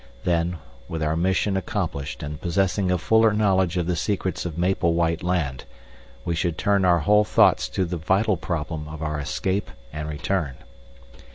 Then, with our mission accomplished and possessing a fuller knowledge of the secrets of Maple White Land, we should turn our whole thoughts to the vital problem of our escape and return.